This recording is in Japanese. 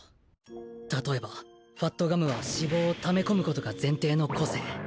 たとえばファットガムは脂肪を溜め込むことが前提の個性。